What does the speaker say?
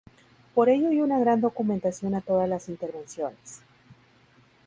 Por ello hay una gran documentación a todas las intervenciones.